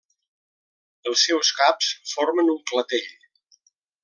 Els seus caps formen un clatell.